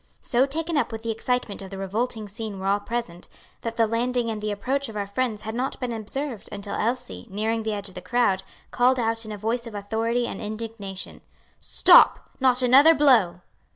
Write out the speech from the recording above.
So taken up with the excitement of the revolting scene were all present, that the landing and the approach of our friends had not been observed until Elsie, nearing the edge of the crowd, called out in a voice of authority, and indignation, "Stop! not another blow!"